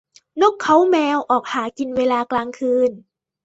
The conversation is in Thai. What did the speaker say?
นกเค้าแมวออกหากินเวลากลางคืน